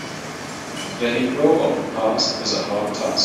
Letting go of the past is a hard task.